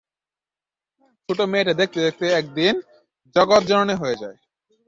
ছোট্ট মেয়েটা দেখতে দেখতে একদিন জগৎ জননী হয়ে যায়।